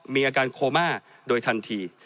มีอาการโคม่าโดยทันที